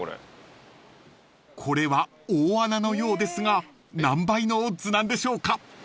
［これは大穴のようですが何倍のオッズなんでしょうか？］